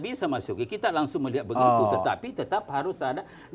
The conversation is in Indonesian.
bisa masuki kita langsung melihat begitu tetapi tetap harus ada